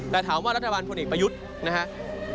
แต่ถามว่ารัฐบาลพลเอกประยุทธ์นะครับ